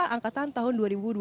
angkatan tahun dua ribu dua puluh